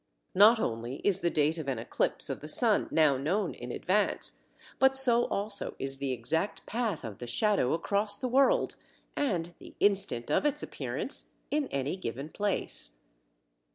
Not only is the date of an eclipse of the sun now known in advance, but so also is the exact path of the shadow across the world, and the instant of its appearance in any given place.